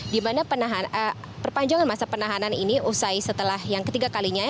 dimana perpanjangan masa penahanan ini usai setelah yang ketiga kalinya